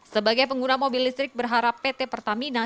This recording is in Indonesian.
sebagai pengguna mobil listrik berharap pt pertamina